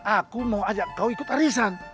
aku mau ajak kau ikut arisan